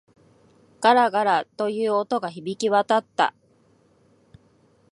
ガラガラ、という音が響き渡った。